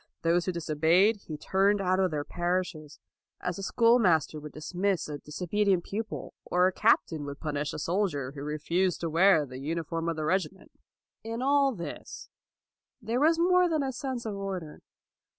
Those who disobeyed, he turned out of their parishes: as a schoolmaster would dismiss a disobedient pupil, or a captain would punish a soldier who refused to wear the uniform of the regiment. 224 LAUD In all this, there was more than a sense of order.